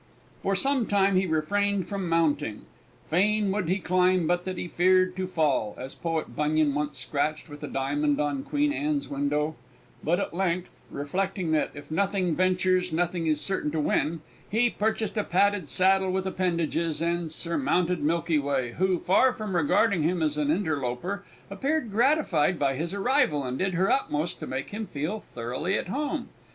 For some time he refrained from mounting "fain would he climb but that he feared to fall," as Poet Bunyan once scratched with a diamond on Queen Anne's window; but at length, reflecting that if nothing ventures nothing is certain to win, he purchased a padded saddle with appendages, and surmounted Milky Way, who, far from regarding him as an interloper, appeared gratified by his arrival, and did her utmost to make him feel thoroughly at home.